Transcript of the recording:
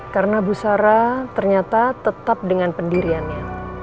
karena bu sara ternyata tetap dengan pendiriannya